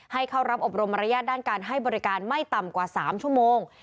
ให้เข้ารับอบรมมารยาทด้านการให้บริการไม่ต่ำกว่า๓ชั่วโมง